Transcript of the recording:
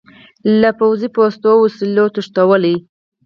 له پوځي پوستو وسلې تښتولې.